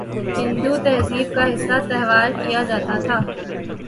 ہندو تہذیب کا حصہ تصور کیا جاتا تھا